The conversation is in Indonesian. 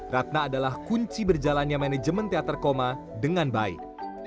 ratna adalah kunci berjalannya manajemen teater koma dengan baik